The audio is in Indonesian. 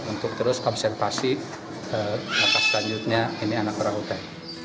untuk terus observasi lepas selanjutnya ini anak orang utan